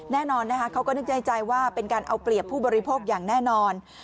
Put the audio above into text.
แน่นอนนะคะเขาก็นึกในใจว่าเป็นการเอาเปรียบผู้บริโภคอย่างแน่นอน